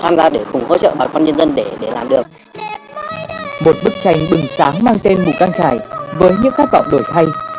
một bức tranh bừng sáng mang tên hồ cang trải với những khát vọng đổi thay